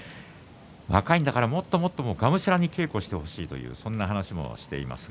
若いんだからもっともっとがむしゃらに稽古してほしいとそんな話もしていました。